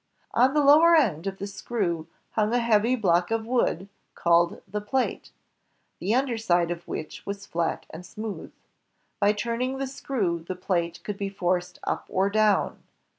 On the ' lower end of the screw hung a heavy block of wood called the plate, the under side of which was flat and smooth. By turning the screw, the plate could be forced up or down.